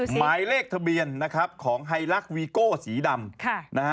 หมายเลขทะเบียนของไฮรักซ์วีโก้สีดำ